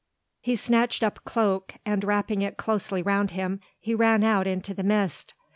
He snatched up a cloak and wrapping it closely round him, he ran out into the mist.